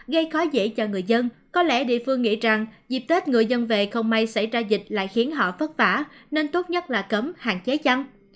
gây khó dễ cho người dân có lẽ địa phương nghĩ rằng dịp tết người dân về không may xảy ra dịch lại khiến họ vất vả nên tốt nhất là cấm hạn chế chăn